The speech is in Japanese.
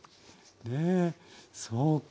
ねえそうか。